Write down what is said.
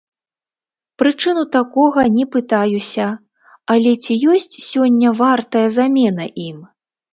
Прычыну такога не пытаюся, але ці ёсць сёння вартая замена ім?